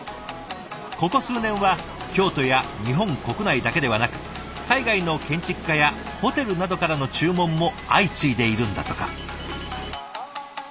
ここ数年は京都や日本国内だけではなく海外の建築家やホテルなどからの注文も相次いでいるんだとか。